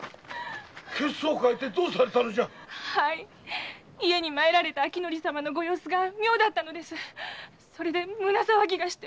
血相変えてどうされたのじゃ⁉家に参られた明卿様のご様子が妙だったので胸騒ぎがして。